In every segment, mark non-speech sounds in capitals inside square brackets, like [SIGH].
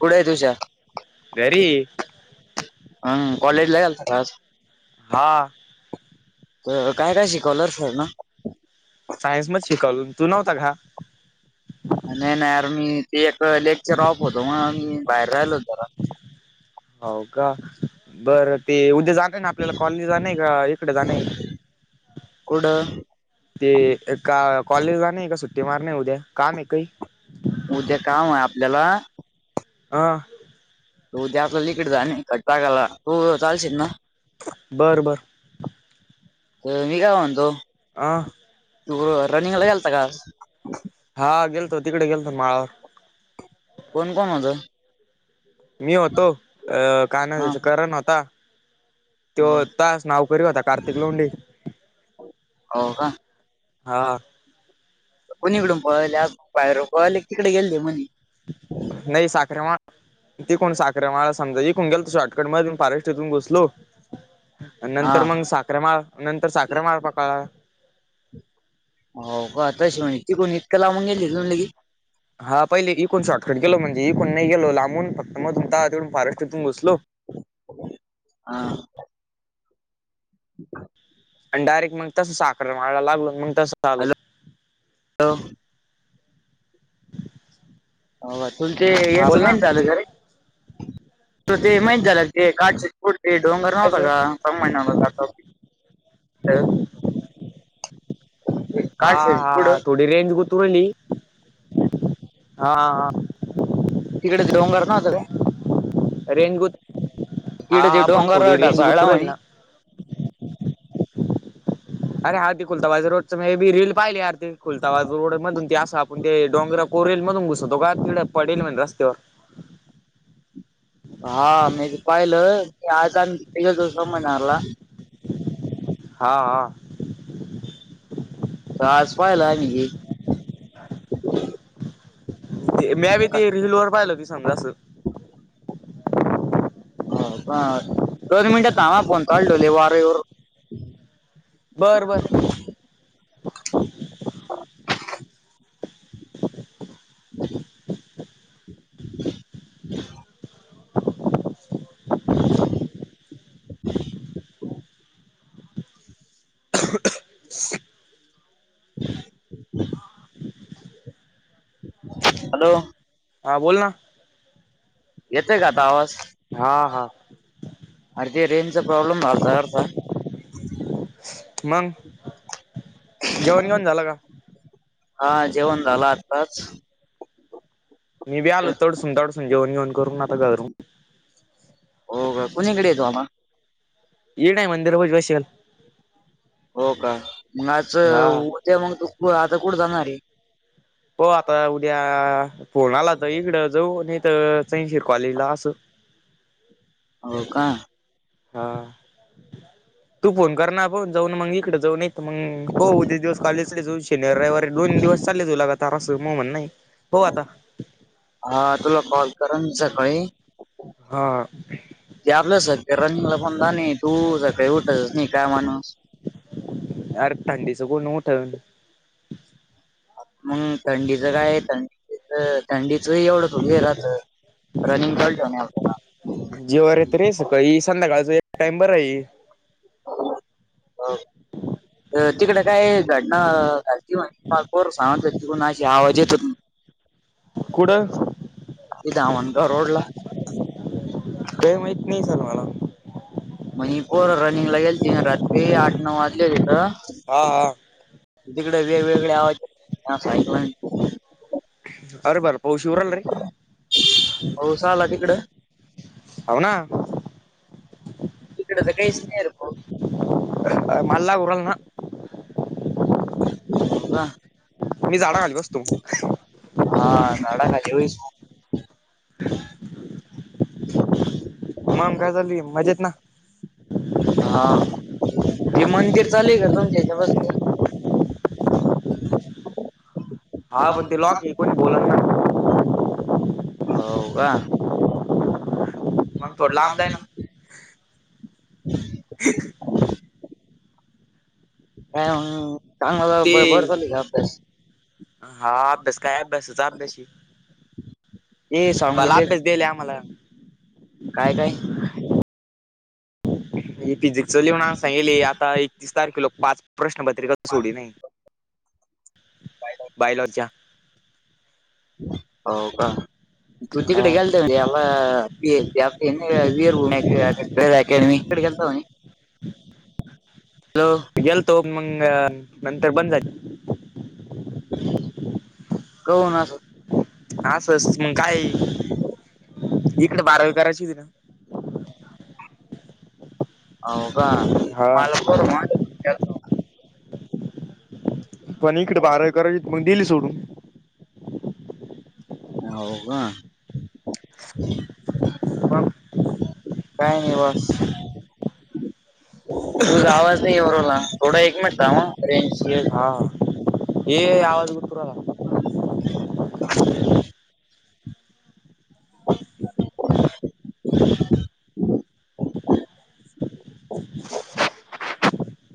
कुठे आहे तुषार? घरी. हम, कॉलेजला गेलाता का आज? हा. तर, काय काय शिकवलस त्यांना? सायन्समध शिकवल. तू नव्हता का? नाय ना यार मी ते एक लेकचर ऑफ होतो म्हणून मी बाहेर राहिलो जरा. हो का बरं ते उद्या जा नाही ना आपल्याला कॉलेज जाण का इकडे जाण. कुठं? ते का कॉलेजला नाही का सुट्टी मार नाही उद्या काम आहे काही उद्या काम आपल्याला. हा तू त्यातलं लिककड झा कट टाकाला तू चालशील ना? बरं बर अ मी काय म्हणतो. अं? तू रनिंगला गेलता का आज? हा गेलो तिकडे गेलो माळावर. कोण कोण होत? मी होतो अ का नाव हा त्याच कारण होता. तो हा. तास नाव करता कार्तिक लोंडे. हो का? हा. कोणीकडून पळल बायर पले तिकडे गेले म्हणे. नाही साखरेमुळ. ते कोण साखऱ मला समजा कोण गेल शॉर्टकट मध्ये प फाराष्टट इथून घुसलो. हा नंतर मग साखरेमाळ नंतर साखरेमाळ पाकाळा. हो का म्हणे तिकून इतकं लावून गेली लगी? हा पहिले इई कोण शॉर्टकट गेलोणजे इई कोण नाही गेल लांबून फक्त मग तुम तेून फारष्टट इथून घुसलो. हा. [INAUDIBLE] आणि डायरेक्ट मग तसं साखर माराला लागल म तस आलो. लो. अ तु हा बोल ना याचं झालं घर त ते माहित झालं ते काढच. कुठ ते डोंगर नव्हता जायचं का? स महिन्याला जातो. तर. हा हा हा, थोडी रेंज गुतून राहिली हा हा हा. तिकडच डोंगर नव्हता का? रेंज गुत हा तिकडेच हा पण डोंगर थोडी रेंज ढसाळ गुतुरली म्हणे. ना अर हा तीुलताबाज रोड च मी रील पाहिली आर त कुलताबा रोड मधून ती अस. पण ते डोंगरा कोरेल मधून घुसतो का तिकड पडेल म्हणे रस्त्यावर. हा मी पाहिलं मी आताे तो स महिन्याला. हा हा. आज पाहायला की. ते मी बी ते रिलवर पाहिलं हो की समजा असं. हो का दोन थमा फोन चालू ठेवू दे वारे एवढं. बर बर [INAUDIBLE] [INAUDIBLE] [INAUDIBLE] [INAUDIBLE] [UNINTELLIGIBLE] हॅलो. हा बोल ना. येतय का आता आवाज. हा हा अर ते रेंजचा प्रॉब्लेम झालथा जरसा. मग जेवण बिवन झालं का? हा जेवण झालं आताच. मी बी आलो तडसुनतडसुन जेवनबिवन करून आता घरुन हो का कोणीकडे येतो आम. ईडये मंदिर पशी बसेल. हो का मग आज हा उदया मग तू आता तू कुठ जाणार आहे. हो आता उद्या फोन आलाथा इकड जाऊ नाही तर चैनशी कॉलेजला असं. हो का? हा तू फोन कर ना आपण जाऊन मग इकडे जाऊन ई त् तर मंग पाहू उद्याच्या दिवस कॉलेज जावू शनिवारी रविवारी दोन दिवस चालले लगातार असं मा म्हनये हो आता. हा तुला कॉल करन सकाळी. हा ते आपलं सगळ रनिंगला पण म्हनला पन नाही तु सकाळी उठतस नाही काय माणूस. [UNINTELLIGIBLE] अरर थंडीच कोण उठन. मग थंडीच काय थंडीच थंडीच एवढंच हे रहतं रनिंग काल ठेवनार होता. जीवार येत रे सकाळी संध्याकाळच एक टाइम बरये तिकड काय घटना घल. [UNINTELLIGIBLE] पाचपोर सांगत होती तीकून अशी आवाज येत हो ना. [UNINTELLIGIBLE] कुठं धामन गाव रोडला कई माहित नाही सर मला. म्हन जी पोर रनिंगला गेलथी रात्री आठ नऊ वाजले इथं. हा हा तिकडे वेगवेगळ्या आवाज. [UNINTELLIGIBLE] अरे बरं बर पाऊस येऊ राहिला रे. पाऊस आला तिकडं हवना इकडे तर काहीच नाहीये रे पाऊस. मला लागू राहिला ना. हा. मी झाडाखाली बसतो [UNINTELLIGIBLE] हा झाडाखाली बैस मग मंग काय चालु ये मजेत ना. हा ते मंदिर चालु आहेका तुमच्या हच्या बसंल [UNINTELLIGIBLE] हा पण ते लॉक ये कोनि बोलवलं ना. [UNINTELLIGIBLE] होय का. मंग थोडा लांब जाई ना. [UNINTELLIGIBLE] हा. [UNINTELLIGIBLE] ते हा अभ्यास काय अभ्यास च अभ्यासे [UNINTELLIGIBLE] सांगू भला दे अभ्यास देयेल आम्हाला. काय काय. हि फिजिकली मानस येईल आता ऐक तीस तारखेलाो पाच प्रश्नपत्रिका सोडीन नही बायलॉर च्या हो का? तु तिकडे गेलता का? [UNINTELLIGIBLE] [UNINTELLIGIBLE] गेलतो, मंग नंतर बंद झाली. काऊन अस? असस, मग काय इकडे बारावी करायची होती ना. हाव का? हा [UNINTELLIGIBLE] पण इकड बारावी करायची होती मग दिली सोडून. हव का. [UNINTELLIGIBLE] [UNINTELLIGIBLE] तुझा आवाज नाई येऊ राहिला. थोडा एक मिनट थांब अ रेंज हा ये आवाज [UNINTELLIGIBLE] [UNINTELLIGIBLE] [UNINTELLIGIBLE]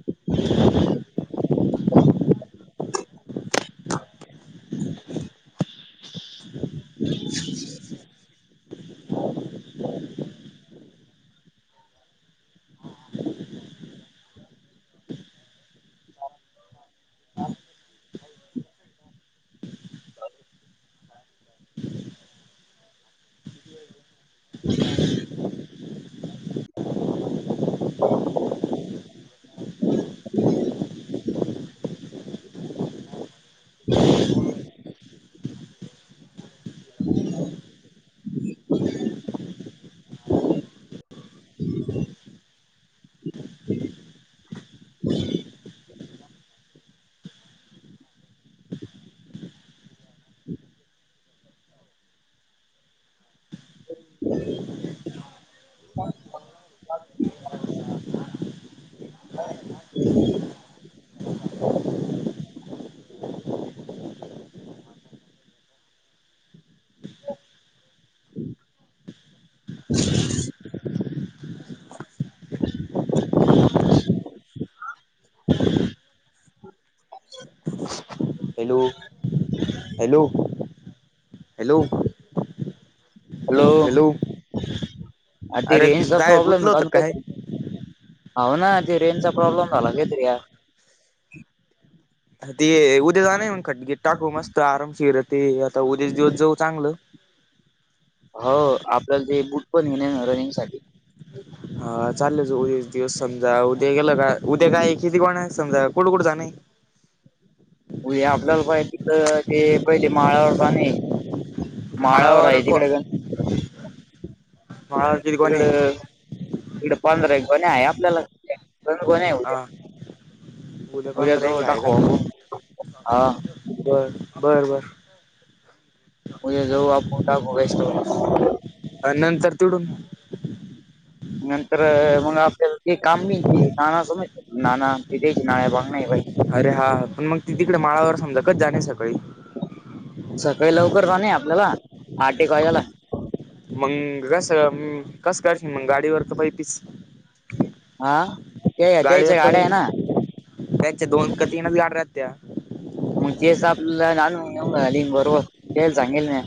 [UNINTELLIGIBLE] [INAUDIBLE] ह [INAUDIBLE] [INAUDIBLE] [INAUDIBLE] [INAUDIBLE] [INAUDIBLE] [INAUDIBLE] [INAUDIBLE] [UNINTELLIGIBLE] [INAUDIBLE] हॅलो, हॅलो, हॅलो, हॅलो. अ ते अरे रेंजचा काय प्रॉब्लेम गुतलं हाय, होतं आमी काय करू? हाव ना, ते रेंजचा प्रॉब्लेम झाला [UNINTELLIGIBLE] ते उद्या जाणार मग खत गट टाकू मस्त आरामशीर ते आता उद्याच दिवस जाऊ चांगलं. हो, आपल्याला ते बूट पण हायना रनिंग साठी. हा चाल जाऊ एक दिवस समजा. उद्या गेलं का उद्या काय किती, कोण आहे समजा कुठं, कुठं जान हाय? उद्याआपल्याला माहितीत ते पहिले माळावर जाणे. माळावर हाय तिकडं का? माळावर किती कोण आहे? तिकडं तिकडे पंधरा एक [UNINTELLIGIBLE] आहे आपल्याला. दोन गोण्या आहे उद्या. [UNINTELLIGIBLE] उद्या पंधरा ईक जाऊ हाय का? टाकू आपण हा बर बर बर [UNINTELLIGIBLE] आणि नंतर तुडुन नंतर मग आपल्याला ते काम मिळते. नाना [UNINTELLIGIBLE] अरे हा, पण मग तिकडे माळावर समजा कधी जाण सकाळी? सकाळी लवकर जाण आपल्याला. आठ एक वाजायला. मंग कस, अम करशील मग गाडीवर तर [UNINTELLIGIBLE] आ गाडी [UNINTELLIGIBLE] त्याच्या दोन का तीनच गाड्या राहत्या मग तेच आपल्याला आणून नेऊन घालीन बरोबर तेल सांगेल हेना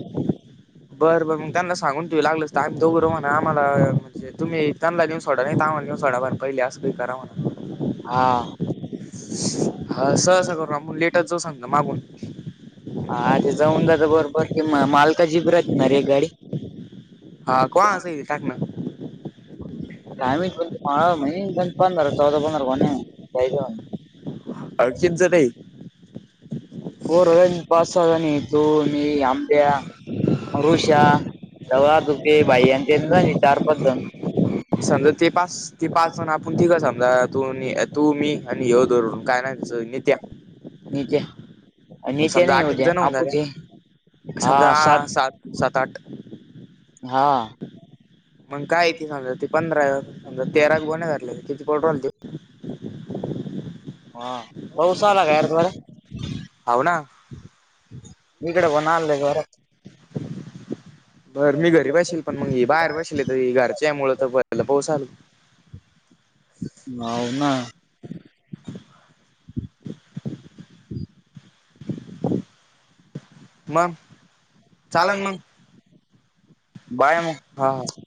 बरं बर मग त्यांना सांगून ठेव लागलंच तर आम्ही दोघ राहू म्हना आम्हाला म्हणजे तुम्ही त्यांना नेऊन सोडा नाहीतर आम्हाला नेऊन सोडा बरं पहिल असं काहीतरी करा हा म्हणा हा सहसा करून आपण लेट [UNINTELLIGIBLE] सांगता मागून. हा ते जाऊन जात बरोबर की मालकाची [UNINTELLIGIBLE] राहती ना एक गाडी हा [UNINTELLIGIBLE] टाक ना काय माहित [UNINTELLIGIBLE] म्हणे गण पंधरा चौदा पंधरा गोण्या आहेत [UNINTELLIGIBLE] [UNINTELLIGIBLE] पोरं गण पाच सहा जण आहेत तू मी आंब्या. ऋषा तवा अजुक ते भाई आन ते [UNINTELLIGIBLE] चार पाच जण. समजा ते पाच ते पाच जण तिघं समजा तू अन् मी तू मी आणि यो धरून काय नाव आहे त्याचं नित्या नित्या अय नित्या नई समजा ये आठ एक उद्या जण होऊन अपूच झाल्या ये समजा सात सात आठ हा मग काय ते समजा ते पंधरा समजा तेरा गोण्या धरल्या त किती पडू राहील ते? हा पाऊसा आला काय रे परत? हाव ना इकडे पण आणलय [UNINTELLIGIBLE] [INAUDIBLE] बर मी घरी बशेल पण मग ही बाहेर बशेल आहे तरी घरच्या यामुळं तर पहिला पाऊस आलं. हाव ना. [INAUDIBLE] मग चाललं मग. बाय म हा.